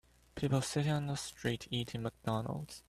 People sitting on the street eating McDonalds.